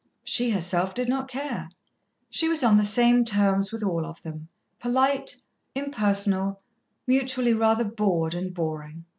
She herself did not care. She was on the same terms with all of them polite, impersonal, mutually rather bored and boring.